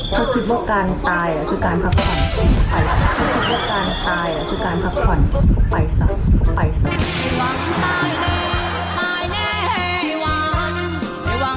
เขาคิดว่าการตายคือการพับข่อน